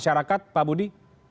masyarakat pak budi